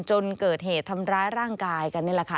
จนเกิดเหตุทำร้ายร่างกายกันนี่แหละค่ะ